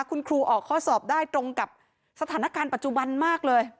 คุณครูออกข้อสอบได้ตรงกับสถานการณ์ปัจจุบันมากเลย